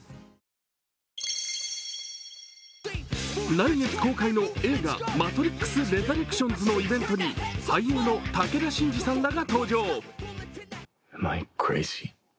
来月公開の映画「マトリックスレザレクションズ」のイベントに俳優の武田真治さんらが登場。